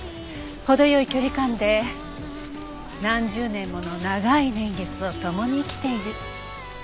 程良い距離感で何十年もの長い年月を共に生きている。